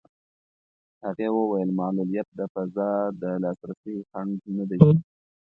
هغې وویل معلولیت د فضا د لاسرسي خنډ نه دی.